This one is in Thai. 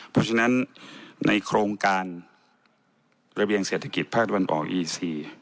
เพราะฉะนั้นในโครงการระเบียงเศรษฐกิจพระอัตวรรณบ่ออีซี